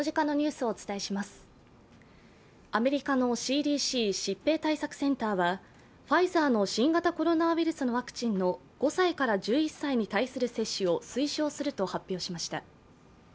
アメリカのＣＤＣ＝疾病対策センターはファイザーの新型コロナウイルスワクチンの５歳から１１歳に対する接種を推奨すると発表しました。